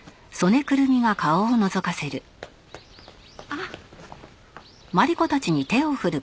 あっ！